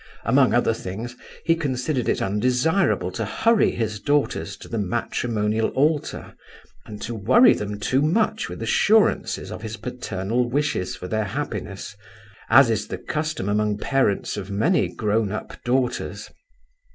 Among other things, he considered it undesirable to hurry his daughters to the matrimonial altar and to worry them too much with assurances of his paternal wishes for their happiness, as is the custom among parents of many grown up daughters.